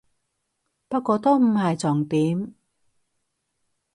不過都唔係重點